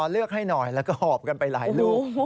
เลือกให้หน่อยแล้วก็หอบกันไปหลายลูก